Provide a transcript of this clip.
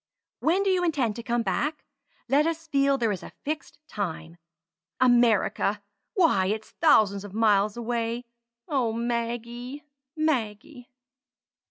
"When do you intend to come back? Let us feel there is a fixed time. America! Why, it's thousands of miles away. Oh, Maggie! Maggie!"